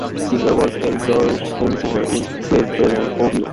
Singer was born Eric Doyle Mensinger in Cleveland, Ohio.